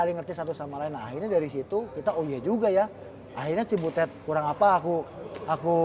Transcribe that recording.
ngerti satu sama lain akhirnya dari situ kita oh iya juga ya akhirnya cibutet kurang apa aku aku